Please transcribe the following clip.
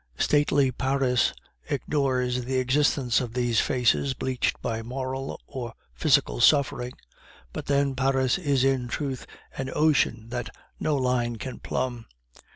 Stately Paris ignores the existence of these faces bleached by moral or physical suffering; but, then, Paris is in truth an ocean that no line can plumb.